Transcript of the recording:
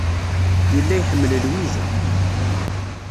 Yella iḥemmel Lwiza.